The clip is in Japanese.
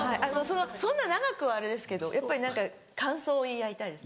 そんな長くはあれですけどやっぱり感想を言い合いたいです。